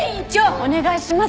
お願いします！